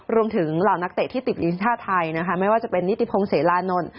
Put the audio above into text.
เหล่านักเตะที่ติดทีมชาติไทยนะคะไม่ว่าจะเป็นนิติพงศิลานนท์